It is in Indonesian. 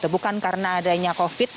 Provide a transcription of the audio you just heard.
bukan karena adanya covid